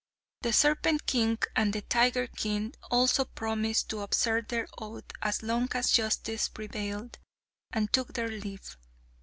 The serpent king and tiger king also promised to observe their oath as long as justice prevailed, and took their leave.